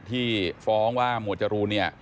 ที่ฟ้องว่าหมวดจรูร์